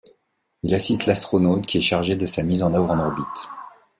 Il assiste l'astronaute qui est chargé de sa mise en œuvre en orbite.